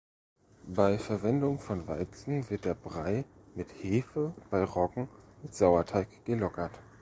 Bei Verwendung von Weizen wird der Brei mit Hefe, bei Roggen mit Sauerteig gelockert.